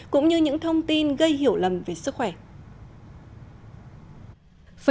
cũng như những thông tin gây hiểu lầm về sức khỏe